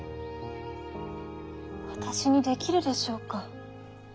私にできるでしょうか。